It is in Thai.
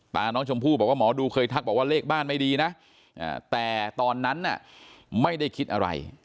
ตาน้องชมพู่บอกว่าหมอดูเคยทักบอกว่าเลขบ้านไม่ดีนะแต่ตอนนั้นไม่ได้คิดอะไร